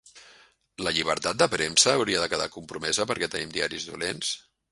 La llibertat de premsa hauria de quedar compromesa perquè tenim diaris dolents?